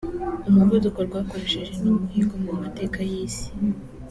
umuvuduko rwakoresheje ni umuhigo mu mateka y’isi